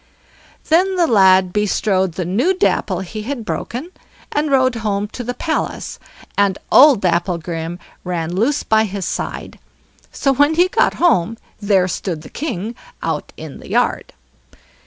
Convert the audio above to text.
Then the lad bestrode the new Dapple he had broken, and rode home to the palace, and old Dapplegrim ran loose by his side. So when he got home, there stood the king out in the yard.